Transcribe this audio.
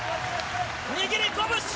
握りこぶし！